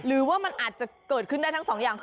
หรืออาจจะเกิดขึ้นได้ทั้งสี่อย่าง